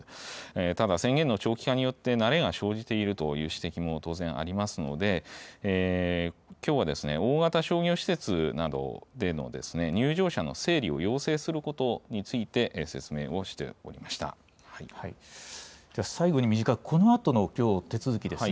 ただ、宣言の長期化によって慣れが生じているという指摘も当然ありますので、きょうはですね、大型商業施設などでの入場者の整理を要請することについて説明を最後に短く、このあとのきょう、手続きですね。